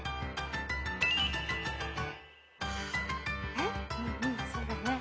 えっうんうんそうだね。